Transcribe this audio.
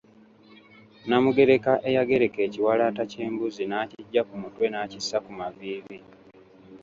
Namugereka eyagereka ekiwalaata ky'embuzi nakiggya ku mutwe nakissa ku maviivi.